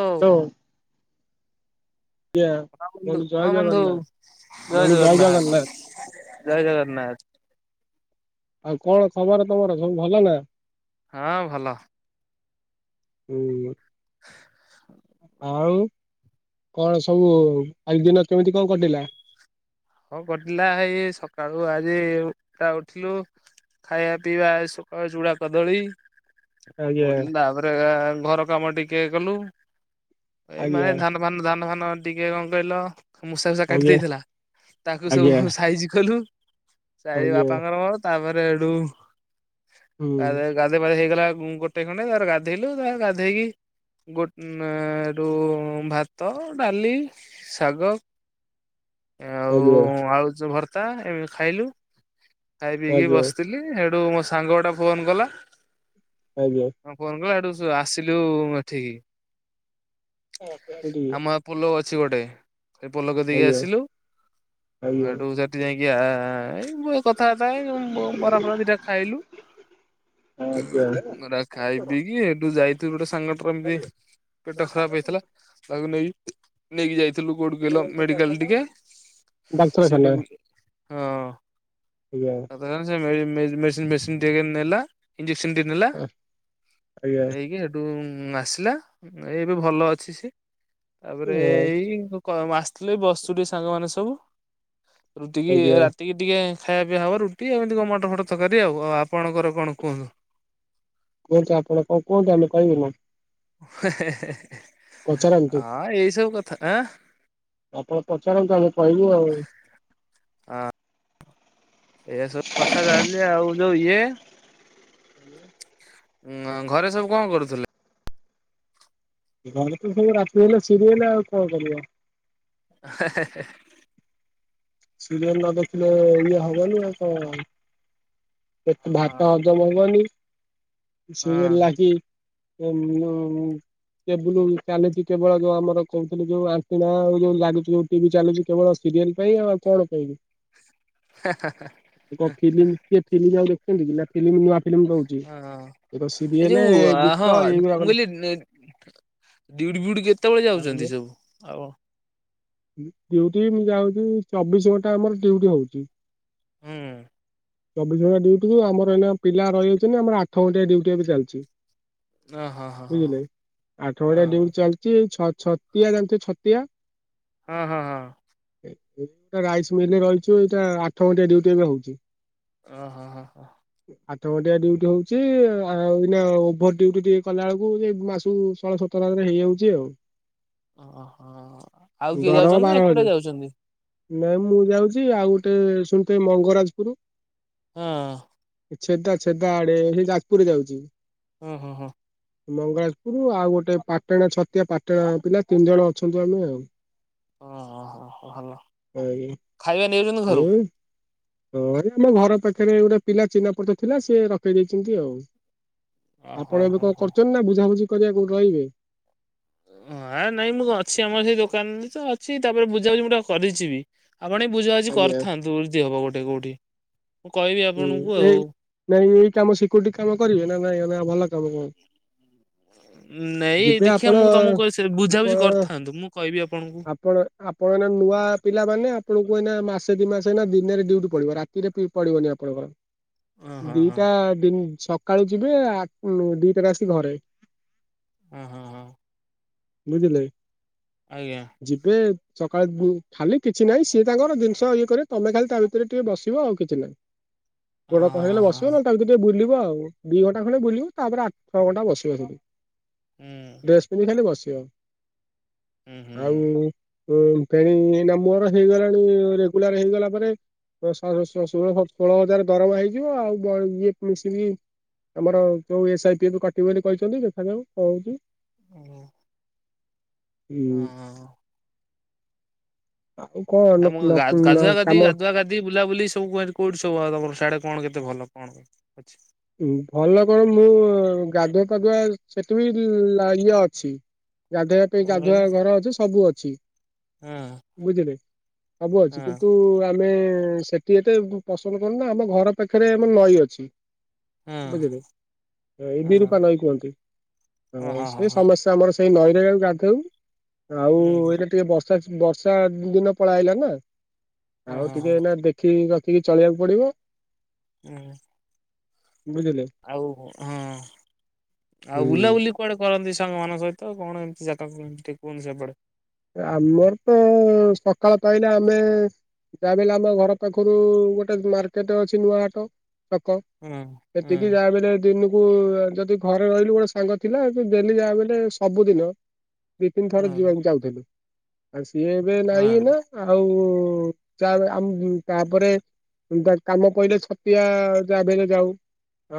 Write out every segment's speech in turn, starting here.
ହଉ ହାଲୋ। ହଁ ବନ୍ଧୁ, ହଁ ଜୟ ବନ୍ଧୁ, ଜଗନ୍ନାଥ ଜୟ ଜଗନ୍ନାଥ। ଜଏ ଜଗନ୍ନାଥ। ଆଉ କଣ ଖବର ତମର ସବୁ ଭଲ ନା? ହଁ ଭଲ। ହୁଁ। [unintelligible] ଆଉ କଣ ସବୁ ଆଜି ଦିନ କେମିତି କଣ କଟିଲା? କଁଅ କଟିଲା ହେଇ ସକାଳୁ ଆଜିଟା ଉଠିଲୁ। ଖାଇବା ପିଇବା ସକାଳୁ ଚୁଡା କଦଳୀ ଆଜ୍ଞା ଉଡିଲି ତାପରେ ଘର କାମ ଟିକେ କଲୁ ଏଇ ଆଜ୍ଞା ମାନେ ଧାନ ମାନେ ଧାନ ଫାନ ଟିକେ କଁ କହିଲ ମୂଷା ଫୂଷା କାଟି ଆଜ୍ଞା ଦେଇଥିଲା। ତାକୁ ଆଜ୍ଞା ସବୁ ସାଇଜି କଲୁ ସାଇ ଆଜ୍ଞା ବାପାଙ୍କର ମୋର ତାପରେ ହେଠଉ ହୁଁ ଗାଧ ଗାଧ ପାଧେ ହେଇଗଲା ଗୋଟେ ଖଣ୍ଡେ ତାର ଗାଧେଇଲୁ ତା ଗାଧେଇକି ଗୋ ରୁ ଭାତ ଡାଲି ଶାଗ ଆଉ ଆଜ୍ଞା। ଆଳୁ ଯୁ ଭର୍ତ୍ତା ଏମିତି ଖାଇଲୁ ଖାଇ ପିଇକି ଆଜ୍ଞା ବସିଥିଲି। ହେଠୁ ମୋ ସାଙ୍ଗ ଗୋଟେ ଫୋନ କଲା। ଆଜ୍ଞା। ହଁ ଫୋନ କଲା ହେଠୁ ଆସିଲୁ ଏଠିକି। ଆମ [unintelligible] ପୋଲ ଅଛି ଗୋଟେ ସେ ପୋଲକୁ କତିକି ଆସିଲୁ। ହେଠୁ ସେଠି ଯାଇକି ଆ ଇ କ କଥା ବାଥା ଏ ବରାଫରା ଦିଟା ଖାଇଲୁ ଆଜ୍ଞା ଆଜ୍ଞା ଆଜ୍ଞା। ରା ଖାଇପିଇକି ହେଠୁ ଯାଇଥିଲୁ ଗୋଟେ ସାଙ୍ଗ ଏମିତି ପେଟ ଖରାପ ହେଇଥିଲା ତାକୁ ନେଇକି ନେଇକି ଯାଇଥିଲୁ କଉଠି କହିଲ ମେଡିକାଲ ଟିକେ ସେଠି ଡାକ୍ତରଖାନା ହଁ ଆଜ୍ଞା [inaudible] ମେଡିସିନ୍ ଫେଡିସିନ୍ ଟିକେ ନେଲା। ଇଞ୍ଜେକ୍ସନ ଟେ ନେଲା ଆଜ୍ଞା ନେଇକି ହେ ସେଠୁ ଆସିଲା ଏବେ ଭଲ ଅଛି ସିଏ ତାପରେ ଏଇ କ ଆସିଥିଲେ ବସୁ ଟିକେ ସାଙ୍ଗମାନେ ସବୁ ରୁଟିିକି ଆଜ୍ଞା। ରାତିକି ଟିକେ ଖାଇବା ପିଇବା ହେବ ରୁଟି ଏମିତି କଣ ମଟର ଫଟର ତରକାରୀ ଆଉ ଆପଣଙ୍କର କଣ କୁହ? କୁହଁନ୍ତୁ ଆପଣ କଣ କୁହଁନ୍ତ ଆମେ କହିବୁ ନା ହେ ହେ ପଚାରନ୍ତୁ। ଅଁ ଏଇ ସବୁ କଥା ଏଁ? ଆପଣ ପଚାରନ୍ତୁ ଆମେ କହିବୁ ଆଉ? ଏୟା ସବୁ କଥା ତାହାଲେ ଆଉ ଯୋଉ ଇଏ ଉଁ ଘରେ ସବୁ କଁ କରୁଥିଲେ? ଘରେ ତ ସବୁ ରାତି ହେଲେ ସିରିଏଲ ଆଉ କଁ କରିବ ହେ ହେ ହେ। ସିରିଏଲ ନ ଦେଖିଲେ ଇଏ ହବନି ଆଉ କଁ ହବ ତ କେତେ ଭାତ ହଁ ହ ହଜମ ହବନୀ ହଁ ସିରିଏଲ ଲାଗି ମଁ କେବୁଲ ଚାଲିଚି କେବଳ ଯୋଉ ଆମର କହୁଥିଲି ଯୋଉ ଆଣ୍ଟିନା ଏଇ ଯୋଉ ଲାଗିଚି ଯୋଉ ଟିଭି ଚାଲୁଚି କେବଳ ସିରିଏଲ ପାଇଁ ଆଉ କଣ ପାଇଁ ଗପିବି [unintelligible] ନୂଆ ଫିଲ୍ମ ଦଉଚି ହଁ। ଏ ତ ଏ ସିରିଏଲେ ଗୀତ ଏଇଗୁଡ଼ାକ ଡିଉଟି ଫିଉଟି କେତବେଳେ ଯାଉଛନ୍ତି ସବୁ ଆଉ ଡିଉଟି ମୁଁ ଯାଉଚି ଚବିଶ ଘଣ୍ଟା ଆମର ଡିଉଟି ହଉଚି। ହୁଁ। ଚବିଶ ଘଣ୍ଟା ଡିଉଟି ଯେ ଆମର ଏଇନା ପିଲା ରହିଯାଇଛନ୍ତି ଆମର ଆଠ ଘଣ୍ଟିଆ ଡିଉଟି ଏବେ ଚାଲିଚି। ଓ ହଁ ହଁ ହଁ ବୁଝିଲେ ଆଠ ହଁ ଘଣ୍ଟିଆ ଡିଉଟି ଚାଲିଚି ଛ ଛତିଆ ଜାଣିଚ ଛତିଆ? ହଁ ହଁ ହଁ। ଗୋଟେ ଗାଳି ଶୁଣି ରହିଚୁ ଏଇଟା ଆଠ ଘଣ୍ଟିଆ ଡିଉଟି ଏବେ ହଉଚି। ଓହୋ ହଁ ହଁ। ଆଠ ଘଣ୍ଟିଆ ଡିଉଟି ହଉଚି ଏଇନେଆଉ ଓଭର ଡିଉଟି ଟିକେ କଲାବେଳକୁ ମାସକୁ ଷୋହଳ ସତର [unintelligible] ରେ ହେଇଯାଉଛି ଆଉ ଓହୋ ଆଉ କିଏ ଦରମା ଯାଉଛନ୍ତି ବାର ନା ହଜାର। ଏକୁଟିଆ ଯାଉଛନ୍ତି? ନାଇଁ ମୁଁ ଯାଉଛି ଆଉ ଗୋଟେ ଶୁଣିଥିବେ ମଙ୍ଗରାଜପୁର ହଁ। ଛେଦା ଛେଦା ଆଡେ ସେ ଯାଜପୁରରେ ଯାଉଛି। ହଁ ହଁ ହଁ। ମଙ୍ଗଳାଜପୁରରୁ ଆଉ ଗୋଟେ ପାଟଣା ଛତିଆ ପାଟଣା ପିଲା ତିନି ଜଣ ଅଛନ୍ତି ଆମେ ଆଉ ଓହୋ ଭଲ ଆଜ୍ଞା ଖାଇବା ନେଉଛନ୍ତି ଘରୁ? ଏଇ ହଁ ଆମ ଘର ପାଖରେ ଗୋଟେ ପିଲା ଚିହ୍ନା ପରିଚୟ ଥିଲା ସିଏ ରଖେଇ ଦେଇଛନ୍ତି ଆଉ। ଓହୋ ଆପଣ ଏବେ ହୋ କଣ ହୋ। କରୁଛନ୍ତି ନା ବୁଝାବୁଝି କରିବା କୋଉଠି ରହିବେ? ହଁ ନାଇଁ ମୁଁ ଅଛି ଆମର ସେଇ ଦୋକାନରେ ତ ଅଛି ତାପରେ ବୁଝାବୁଝି ମୁଁ ଗୋଟେ କରିଛିିବି। ଆପଣବି ବୁଝାବୁଝି ଆଜ୍ଞା କରିଥାନ୍ତୁ ଯଦିହବ ଗୋଟେ କୋଉଠି ମୁଁ କହିବି ହୁଁ ଆପଣଙ୍କୁ ଏଇ ଆଉ ନାଇଁ ଏଇ କାମ ସିକ୍ୟୁରିଟି କାମ କରିବେ ନା ନାଇଁ ନା ଭଲ କାମ କଣ? ନେଇଁ ଯିବେ ଦେଖିବା ଆପଣ ମୁଁ ତମକୁ ଆପଣ ବୁଝାବୁଝି କରିଥାନ୍ତୁ ମୁଁ କହିବି ଆପଣଙ୍କୁ। ଆପଣ ଆପଣ ଏଇନା ନୂଆ ପିଲାମାନେ ଆପଣଙ୍କୁ ଏଇନା ମାସେ ଦି ମାସେ ଦିନରେ ଡୁଉଟି ପଡିବ ରାତିରେ ପଡିବନି। ଓ ହୋ ଓ ହଁ ହଁ ଦିଟା ଦି ସକାଳୁ ଯିବେ ଆ ଦିଟାରେ ଆସିକି ଘରେ। ଓହୋ ହଁ ହଁ। ବୁଝିଲେ। ଆଜ୍ଞା। ଯିବେ ସକାଳେ ଖାଲି କିଛି ନାହିଁ ସିଏ ତାଙ୍କର ଜିନିଷ ଇଏ କରେ ତମେ ଖାଲି ତା ଭିତରେ ଟିକେ ବସିବ ଆଉ କିଛି ନାହିଁ। ଅ ଗୋଡ କ ହେଇଗଲେ ହଁ ବସିବ ନହେଲେତା ଭିତରେ ଟିକେ ବୁଲିବ ଆଉ ଦିଇ ଘଣ୍ଟା ଖଣ୍ଡେ ବୁଲିବ ତାପରେ ଆଠ ଛଅଘଣ୍ଟା ବସିବ ସେକି ହୁଁ ଡ୍ରେସ ପିନ୍ଧି ଖାଲି ବସିବ ହୁଁ ହୁଁ ଆଉ ଉ ଫେଣି ନା ମୋର ହେଇଗଲାଣି ରେଗୁଲାର ହେଇଗଲା ପରେ ଶ ଶଶ [unintelligible] ଷୋହଳ ହଜାର ଦରମା ହେଇଯିବ ଆଉ ଇଏ [unintelligible] ଆମର ଯୋଉ ଏସ୍ ଆଇ ପି କଟିବ ବୋଲି କହିଛନ୍ତି ଦେଖା ଯାଉ କଣ ହହୁଛି ହୁଁ ହୁଁ ହଁ। ଆଉ କଣ ଆ ମୁ ଗାୁଆ ଗାଧି କାମ ଗାଧଆଧି ବୁଲାବୁଲି ସବୁ କୁଆଡେ କୋଠି ସବୁ ଆଉ ତମର ସେଆଡେ଼ କଣ କେତେ ଭଲ କଣ ଅଛି ଭଲ କଣ ମୁଁ ଗାଧୁଆ ପାଧୁଆ ସେଠି ବି ଇଏ ଅଛି ଗାଧୋଇବା ପାଇଁ କଣ କହିଲେ ଗାଧୁଆ ଘର ଅଛି ସବୁ ଅଛି ହଁ ବୁଝିଲେ ସବୁ ଅଛି ହଁ କିନ୍ତୁ ଆମେ ସେ ଟିଏ ଏତେ ପସନ୍ଦ କରୁ ନା ଆମ ଘର ପାଖରେ ଆମର ନଈ ଅଛି ହଁ ବୁଝିଲେ ଏ ବି ହଁ ରୂପା ନଈଁ କୁହନ୍ତି ହଉ ଓ ହଁ ହଁ ସେ ହଁ ସମସ୍ତେ ଆମର ସେଇ ନଈରେ ଗା ଗାଧଉ ଆଉ ହୁଁ ଏଇଟା ଟିକେ ବର୍ଷା ବର୍ଷା ଦିନ ପଳ ହେଲା ନା ହଁ ଆଉ ହଁ ଟିକେ ହଁ ଏନା ଦେଖିକି ରଖିକି ଚଳେଇିବାକୁ ପଡିବ ହୁଁ ବୁଝିଲେ ଆଉ ହଁ ଆଉ ହୁଁ। ବୁଲାବୁଲି କୁଆଡେ କରନ୍ତି ସାଙ୍ଗମାନଙ୍କ ସହିତ କଣ ଏମିତି ଜାଗାତି କୁହନ୍ତି ସେପଟେ ଏ ଆମର ତ ସକାଳ ପାହିଲେ ଆମେ ଯାହାବି ହେଲେ ଆମ ଘର ପାଖରୁ ଗୋଟେ ମାର୍କେଟ ଅଛି ନୂଆ ହାଟ ଛକ ହୁଁ ହୁଁ ସେତିକି ଯାହା ବେଲେ ଦିନିକ୍ କୁ ଅ ଯଦି ଘରେ ରହିଲୁ ଗୋଟେ ସାଙ୍ଗ ଥିଲା ତେ ଡେଲି ଯାହା ବୋଇଲେ ସବୁଦିନ ବିପିନ ଥର ହଁ ଯିବାକୁ ଚାଉଛି। ଆ ସିଏ ଏବେ ହଁ ନାହିଁ ଏନା ଆଉ ତା ବା ଆମ ତାପରେ ଉଁ ତା କାମ ପହିଲେ ଛତିଆ ଯଭେଲେ ଯାଉ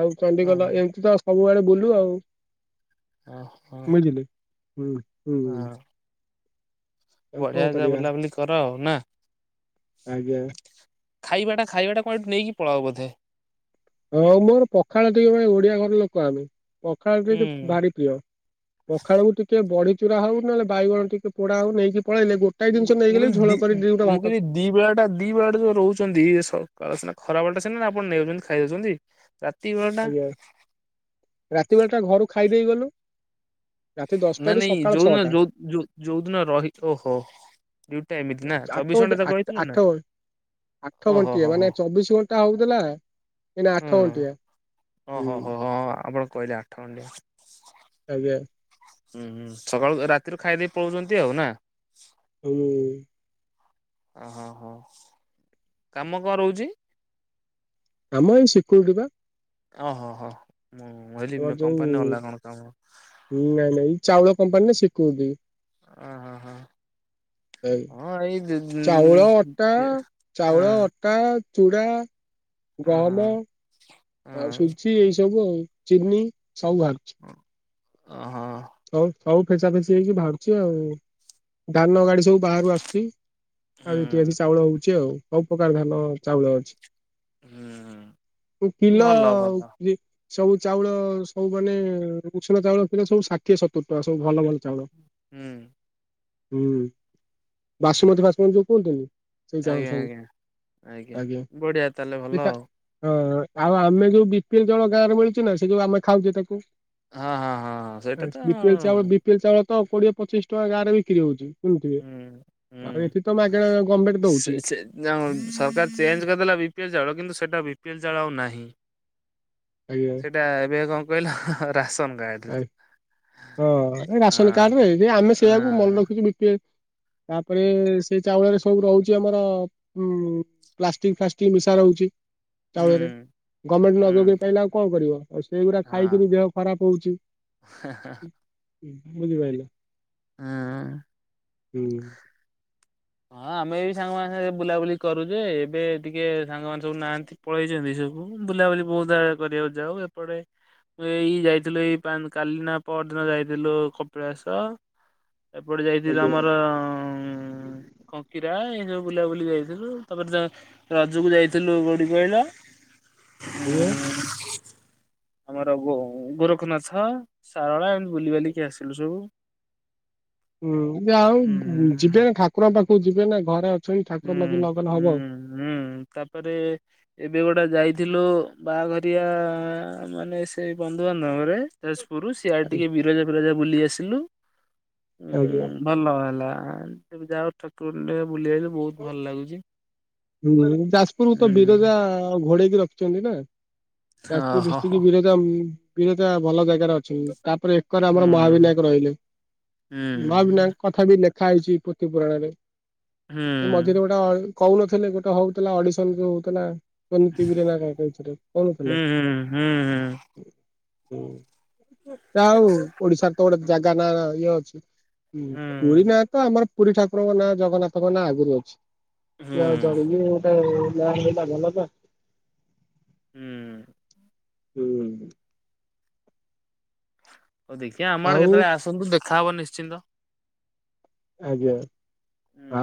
ଆଉ ଚଣ୍ଡିଖଲ ହଁ ଏମିତି ତ ସବୁ ଆଡେ ବୁଲୁ ଆଉ। ଅ ହ ବୁଝିଲେ ହୁଁ ହୁଁ ଆଉ କଣ ବଢିଆ ଯା କରିବା ବୁଲାବୁଲି କର ଆଉ ନା? ଆଜ୍ଞା ଖାଇବାଟା ଖାଇବାଟା କଣ ଏଠୁ ନେଇକି ପଳାଅ ବୋଧେ? ହଁ ମୋର ପଖାଳ ଟିକେ ଭାଇ ଓଡିଆ ଘର ଲୋକ ଆମେ ପଖାଳ ଟିକେ ହୁଁ ଭାରି ପ୍ରିୟ। ପଖାଳକୁ ଟିକେ ବଢି ଚୁରା ହଉ ନହେଲେ ବାଇଗଣ ଟିକେ ପୋଡା ହଉ ନେଇକି ପଳେଇଲେ ଗୋଟ କାଇଁ ମୁଁ ଜିନିଷ ମୁଁ ନେଇଗଲେ କହିଲି ଦି ଝୋଳ କରି ଦିଗୋଟା ମୁଁ ଭାତ କହିଲି ଦି ବେଳାଟା ଦି ବେଳାଟା ଯୋଉ ରହୁଛନ୍ତି ସକାଳ ସିନା ଖରା ବଳ ଟା ସିନା ଆପଣ ନେଇ ଯାଉଛନ୍ତି ଖାଇଦଉଛନ୍ତି। ରାତି ବର୍ଷ ଆଜ୍ଞା ରାତି ବେଳ ଟା ଘରୁ ଖାଇଦେଇ ଗଲୁ। ରାତି ନାଇଁ ଦଶଟାରୁ ନାଇଁ ସକାଳ ଯୋଉଦିନ ଛଅଟା ଯୋଉ ଯଉ ଯୋଉଦିନ ରହି ଓହୋ ଡ୍ୟୁଟି ଟା ଏମିତି ନା ଆଠ ଚବିଶ ଘଣ୍ଟି ଘଣ୍ଟା ତ ଆଠ କହିଥିଲେ ଆଠ ନା? ଆଠ ଓହୋ ହୋ ଘଣ୍ଟିଆ ହୋ ମାନେ ଚବିଶ ଘଣ୍ଟା ହଉଥିଲା ଏଇନା ହୁଁ। ଆଠ ଘଣ୍ଟିଆ। ହୁଁ ଓହୋ ହୋ ହଁ ଆପଣ କହିଲେ ଆଠ ଖଣ୍ଡିଆ। ଆଜ୍ଞା ହୁଁ ହୁଁ ସକାଳୁ ରାତିରୁ ଖାଇଦେଇ ପଳୋଉଛନ୍ତି ଆଉ ନା। ହୁଁ ଅ ହ ହୋ କାମ କଣ ରହୁଛି? କାମ ଏଇ ସିକ୍ୟୁରିଟି ବା। ଓହୋ ହୋ ଆମର ମୁଁହିଲି ଯୋଉ କମ୍ପାନୀରେ ଅଲା କଣ କାମ। ନାଇଁ ନାଇଁ ଚାଉଳ କମ୍ପାନୀରେ ସିକ୍ୟୁରିଟି। ଓଁ ହ ହ ଅଁଏଇ ଦି ଦି ଦି ହଁ କା ଚୁଡ଼ା ଗହମ ହଁ ଆଉ ହଁ। ସୁଜି ଏଇ ସବୁ ଆଉ। ଚିନି ସବୁ ବାହାରୁଚି। ଓହୋ। ଆଉ ଆଉ ଫେସା ଫେସିି ହେଇକି ବାହାରୁଛି ଆଉ ଧାନ ଗାଡି ସବୁ ବାହାରୁ ଆସୁଛି ଆଉ ଏଠିକି ହୁଁ ଚାଉଳ ହଉଛି ଆଉ ସବୁ ପ୍ରକାର ଧାନ ଚାଉଳ ଅଛି। ହୁଁ ଓ କିିଲ ଭଲ ଭଲ କି ସବୁ ଚାଉଳ ସବୁ ମାନେ ଉଷୁନା ଚାଉଳ କିଲ ସବୁ ଷାଠିଏ ସତୁର ଟଙ୍କା ସବୁ ଭଲ ଭଲ ଚାଉଳ ହୁଁ ହୁଁ ବାସୁମତୀ ବାସୁମତୀ ଯୋଉ କୁହନ୍ତିନି? ସେଇ ଚାଉଳ ଆଜ୍ଞା ସବୁ ଆଜ୍ଞା ଆଜ୍ଞା ବଢିଆ ତାହେଲେ ଭଲ ଆଉ। ହଁ ଆଉ ଆମେ ଯୋଉ ବିପିଲ ଚାଉଳ ଗାଁରେ ମିଳିଛି ନା ସେ ଯୋଉ ଆମେ ଖାଉଛେ ତାକୁ ଅ ହଁ ହଁ ହଁ ସେଇଟା ତ ବାସ ବି ପିଏଲ ଚାଉଳ ବିି ପିଏଲ ଚାଉଳ ତ କୋଡିଏ ପଚିଶ ଟଙ୍କା ଗାଁରେ ବିକ୍ରି ହଉଛି। ଶୁଣିଥିବେ ହୁଁ ହୁଁ ଆ ଏଠି ତ ମାଗଣା ଗଭମେଣ୍ଟ ଦଉଛି। ଯାଉଁନ ସରକାର ଚେଞ୍ଜ କରିଦେଲା ବି ପିଏଲ ଚାଉଳ କିନ୍ତୁ ସେଇଟା ବି ପିଏଲ ଚାଳ ଆଉ ନାହିଁ। ଆଜ୍ଞା। ସେଟା ଏବେ କଣ କହିଲ ରାସନ କାର୍ଡରେ ଆ ଅ ଏ ରାସନ ହଁ କାର୍ଡରେ ଆମେ ହଁ ସେଇଆକୁ ମନେ ରଖିଛୁ ବିପିଏଲ ତାପରେ ସେ ଚାଉଳରେ ସବୁ ରହୁଚି ଆମର ଉଁ ପ୍ଲାଷ୍ଟିକ ଫ୍ଲାଷ୍ଟିକ ମିଶା ରହୁଚି। ହୁଁ ଚାଉଳରେ ହୁଁ ଗଭର୍ଣମେଣ୍ଟ [unintelligible] ପାଇଲେ ଆଉ କଣ କରିବ ଆଉ ସେଇଗୁଡା ଖାଇକି ହଁ। ଦେହ ଖରାପ। ହଉଛି ବୁଝିପାଇଲେ। ହୁଁ। ହଁ ଆମେ ବି ସାଙ୍ଗମାନଙ୍ଗ ବୁଲାବୁଲି କରୁଛେ ଏବେ ଟିକେ ସାଙ୍ଗମାନେ ସବୁ ନାହାନ୍ତି। ପଳେଇଛନ୍ତି ସବୁ ବୁଲାବୁଲି ବହୁତ ଜାଗା କରିବାକୁ ଯାଉ ଏପଟେ ଏଇ ଯାଇଥିଲୁ ଏଇ କାଲିନା ପରଦିନ ଯାଇଥିଲୁ କପିଳାସ। ଏପଟେ ଯାଇଥିଲୁ ଆଜ୍ଞା ଆମର ଅ କଙ୍କିରା ଏଇ ସବୁ ବୁଲାବୁଲି ଯାଇଥିଲୁ ତାପରେ ଯା ରଜକୁ ଯାଇଥିଲୁ କୋଉଠି କହିଲ? ଆଜ୍ଞା। ଆମରୋ ଗୋ ଗୋରଖନାଥ ସାରଳା ଏମିତି ବୁଲିବାଲିିକି ଆସିଲୁ ସବୁ। ହୁଁ ଆଉ ହୁଁ। ଯିବେ ନା ଠାକୁରଙ୍କ ପାଖକୁ ଯିବେ ନା ଘରେ ଅଛ ହୁଁ ଠାକୁଙ୍କ ପାଖରେ ନଗଲେ ହବ। ହୁଁ ହୁଁ ତାପରେ ଏବେ ଗୋଟେ ଯାଇଥିଲୁ ବାହାଘରିଆ ମାନେ ସେଇ ବନ୍ଧୁବାନ୍ଧବରେ। ଯାଜପୁରୁ ସେଆଡେ ଟିକେ ବିରଜା ଫିରଜା ବୁଲି ଆସିଲୁ। ଆଜ୍ଞା ଭଲ ହେଲା ଯାଅ ଠାକୁରଙ୍କୁ ଟେ ବୁଲିଆଇଲୁ ବହୁତ ଭଲ ଲାଗୁଛି। ହୁଁ ଯାଜପୁରକୁ ତ ହୁଁ ବିରଜା ଘୋଡେଇକି ରଖିଛନ୍ତି ନା ହଁ ଯାଜପୁର ହଁ ଡିଷ୍ଟ୍ରିକ୍ଟ ବିରଜା [unintelligible] ବିରଜା ଭଲ ଜାଗାରେ ଅଛନ୍ତି ତାପରେ ଏକରେ ଆମର ହଁ ମହାବିନାୟକ ରହିଲେ ହୁଁ ମହାବିନାୟକ କଥା ବି ଲେଖା ହେଇଛି ପୃଥୀ ପୁରାଣ ରେ। ହୁଁ। [unintelligible] କହୁନଥିଲେ ଗୋଟେ ହଉଥିଲା ଅଡିସନ ଯୋଉଁ ହଉଥିଲା। [unintelligible] ଟିଭିରେ ନା କଣ କହୁଥିଲେ କହୁନଥିଲେ? ହୁଁ ହୁଁ ହୁଁ ହୁଁ ଯା ଆଉ ଓଡିଶାର ତ ଗୋଟେ ଜାଗା ନା ଇଏ ଅଛି। ହଁ ହୁଁ ପୁରୀ ନାଁ ତ ଆମର ପୁରୀ ଠାକୁରଙ୍କ ନାଁ ଜଗନ୍ନାଥଙ୍କ ନାଁ ଆଗରୁ ଅଛି। ହୁଁ ଆଉ ହୁଁ ଚଢିକି ଗୋଟେ [unintelligible] ହେଇଲା ଭଲ ନା। ହୁଁ। ହୁଁ। ଦେଖିବା ଆମ ଆଡେ ଆଉ କେତେବେଳେ ଆସନ୍ତୁ ଦେଖାହବ ନିଶ୍ଚିନ୍ତ। ଆଜ୍ଞା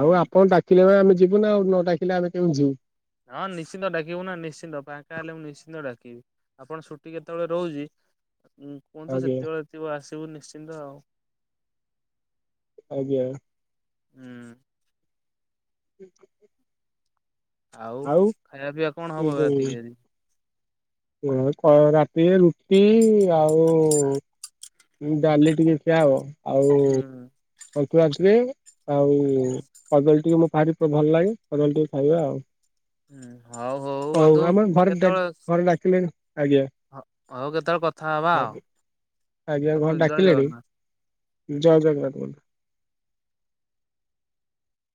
ଆଉ ଆପଣ ଡାକିଲେ ଆମେ ଯିବୁ ନା ଆଉ ନଡାକିଲେ ଆମେ କେମିତି ଯିବୁ? ହଁ ନିଶ୍ଚିନ୍ତ ଡାକିବୁ ନା ନିଶ୍ଚିନ୍ତ ପାଙ୍କା ହେଲେ ମୁଁ ନିଶ୍ଚିନ୍ତ ଡାକିବି ଆପଣ ଛୁଟି କେତେବେଳେ ରହୁଚି ଉ ଉ ଆଜ୍ଞା ସେତେବେଳେ ଥିବ ଆସିବୁ ନିଶ୍ଚିନ୍ତ ଆଉ ଆଜ୍ଞା। ହୁଁ। [unintelligible] ଆଉ ଖିଆ ପିଇ କଣ ହବ ରାତି କିି ଆଜି? ଉ ଅ ରାତିରେ ରୁଟି ଆଉ ଡାଲି ଟିକେ ଖିଆହବ ଆଉ ହୁଁ [unintelligible] କଦଳୀ ଟିକେ ମୁଁ ଭାରି ଭଲ ଲାଗେ କଦଳୀ ଟିକେ ଖାଇବା ଆଉ ହୁଁ। ହଉ ହଉ ବନ୍ଧୁ ଆମର ଘରେ ଡାକି ଘରେ ଡାକିଲେ ଆଜ୍ଞା। ହ ହଉ କେତେବେଳେ କଥା ହବା ହଉ ଆଜ୍ଞା ଘରେ ରଖୁଚି ଜୟ ଡାକିଲେଣି ଜଗନ୍ନାଥ। ଜୟ ଜଗନ୍ନାଥ।